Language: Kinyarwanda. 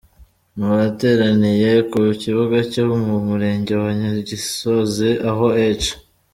Mu bateraniye ku kibuga cyo mu murenge wa Nyagisozi aho H.